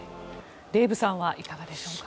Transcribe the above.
デーブさんはいかがでしょうか。